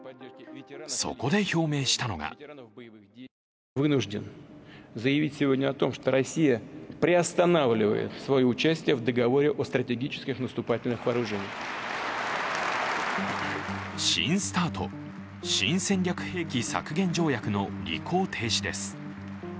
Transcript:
そこで表明したのが新ＳＴＡＲＴ＝新戦略兵器削減条約の履行停止です。